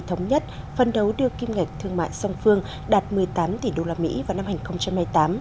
thống nhất phân đấu đưa kim ngạch thương mại song phương đạt một mươi tám tỷ usd vào năm hai nghìn một mươi tám